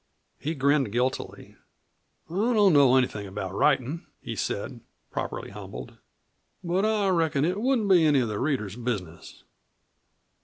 He grinned guiltily. "I don't know anything about writin'," he said, properly humbled, "but I reckon it wouldn't be any of the reader's business."